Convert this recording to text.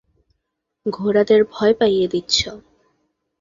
ঘোড়াদের ভয় পাইয়ে দিচ্ছ।